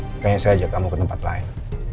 makanya saya ajak kamu ke tempat lain